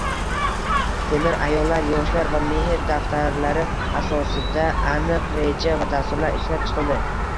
“Temir”, “ayollar”, “yoshlar” va “mehr” daftarlari asosida aniq reja va dasturlar ishlab chiqildi